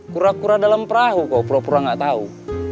kura kura dalam perahu kok pura pura nggak tahu